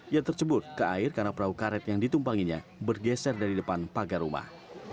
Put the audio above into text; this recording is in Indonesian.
ia tercebur ke air karena perahu karet yang ditumpanginya bergeser dari depan pagar rumah